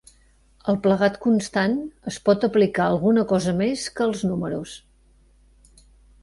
El plegat constant es pot aplicar a alguna cosa més que els números.